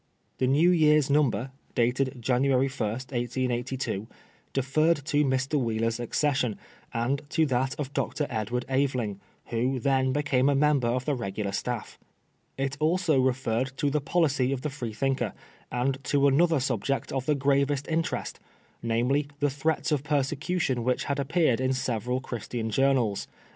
The new year's number, dated January 1, 1882, re ferred to Mr. Wheeler's accession, and to that of Dr. Edward Aveling, who then became a member of the regular staff. It also referred to the policy of the Free thmkeTy and to another subject of the gravest interest — namely, the threats of prosecution which had ap peared in several Christian journals.